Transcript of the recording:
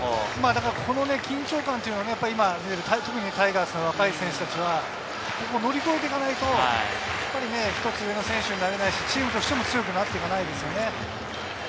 この緊張感はね、タイガースの若い選手たちは乗り越えていかないと１つ上の選手になれないしチームとしても強くなっていかないですよね。